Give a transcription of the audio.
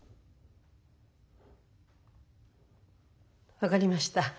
分かりました。